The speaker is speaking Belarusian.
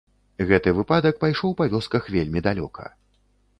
Гэты выпадак пайшоў па вёсках вельмі далёка.